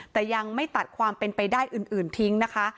แต่ยังไม่ตัดความเป็นไปได้อื่นทิ้งนะคะ